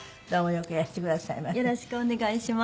よろしくお願いします。